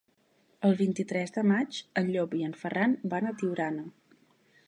El vint-i-tres de maig en Llop i en Ferran van a Tiurana.